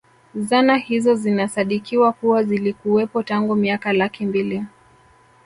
Zana hizo zinasadikiwa kuwa zilikuwepo tangu miaka laki mbili